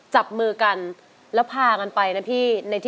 ฉันถึงได้รัก